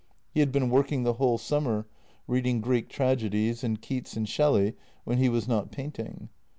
He had been working the whole summer, reading Greek tragedies and Keats and Shelley when he was not painting.